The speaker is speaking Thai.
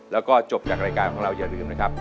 แล้วก็จบจากรายการของเราอย่าลืมนะครับ